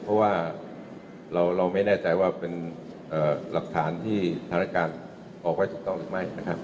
เพราะว่าเราไม่แน่ใจว่าเป็นหลักฐานที่สถานการณ์ออกไว้ถูกต้องหรือไม่นะครับ